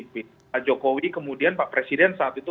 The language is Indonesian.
pak jokowi kemudian pak presiden saat itu